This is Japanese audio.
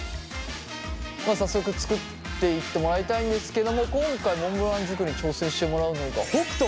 早速作っていってもらいたいんですけども今回モンブラン作りに挑戦してもらうのが北斗。